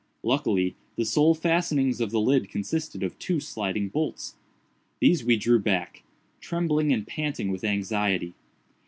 Luckily, the sole fastenings of the lid consisted of two sliding bolts. These we drew back—trembling and panting with anxiety.